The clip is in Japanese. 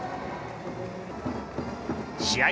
試合